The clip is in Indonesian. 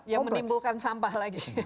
ya menimbulkan sampah lagi